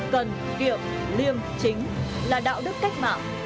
cần kiệm liêm chính là đạo đức cách mạng